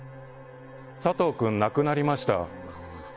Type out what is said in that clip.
佐藤君、亡くなりました。